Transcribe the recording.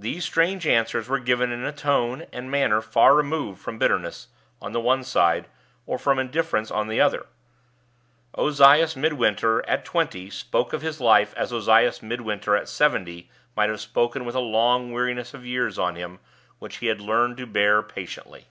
These strange answers were given in a tone and manner far removed from bitterness on the one side, or from indifference on the other. Ozias Midwinter at twenty spoke of his life as Ozias Midwinter at seventy might have spoken with a long weariness of years on him which he had learned to bear patiently.